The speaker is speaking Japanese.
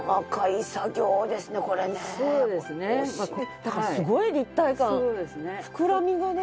だからすごい立体感膨らみがね。